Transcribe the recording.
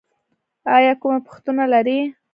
ایا کومه پوښتنه لرئ؟